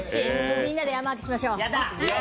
みんなで山分けしましょう。